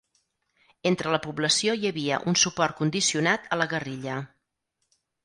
Entre la població hi havia un suport condicionat a la guerrilla.